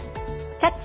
「キャッチ！